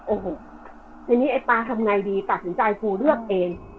โอ้โหทีนี้ไอ้ป๊าทำไงดีตัดสินใจฟูเลือกเอง